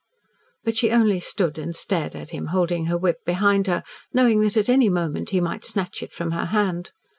But she only stood and stared at him, holding her whip behind her, knowing that at any moment he might snatch it from her hand.